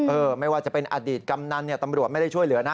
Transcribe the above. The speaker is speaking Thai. ไม่ว่าจะเป็นอดีตกำนันเนี่ยตำรวจไม่ได้ช่วยเหลือนะ